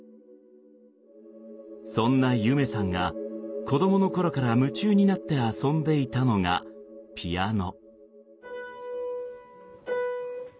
そんな夢さんが子供の頃から夢中になって遊んでいたのがピアノ。